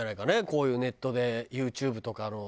こういうネットでＹｏｕＴｕｂｅとかの世界で。